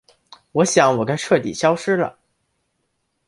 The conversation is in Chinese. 我想我该彻底消失了。